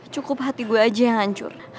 cukup hati gue aja yang hancur